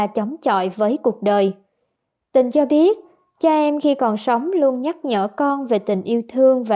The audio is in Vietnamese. chống chọi với cuộc đời tình cho biết cha em khi còn sống luôn nhắc nhở con về tình yêu thương và